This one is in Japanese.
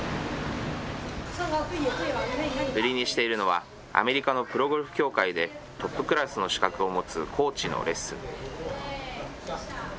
売りにしているのは、アメリカのプロゴルフ協会でトップクラスの資格を持つコーチのレッスン。